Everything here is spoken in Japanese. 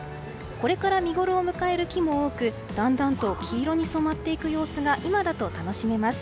これから見ごろを迎える木も多くだんだんと黄色に染まっていく様子が今だと楽しめます。